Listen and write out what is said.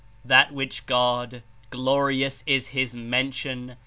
"That which God — glorious is His mention